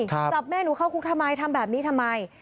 จับแม่หนูเข้าคุกทำไมทำแบบนี้ทำไม